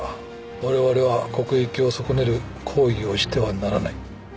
我々は国益を損ねる行為をしてはならない。